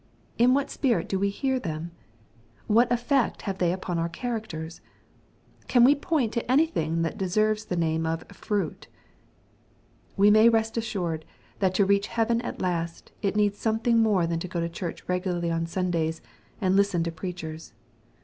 In what spirit do we hear them ? What eflfect have they upon our characters ? Can we point to anything that deserves the name of " fruit ?" We may rest assured that to reach heaven at last, it needs something more than to go to Church regularly on Sundays, and listen to preachers.